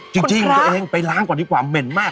จริงตัวเองไปล้างก่อนดีกว่าเหม็นมาก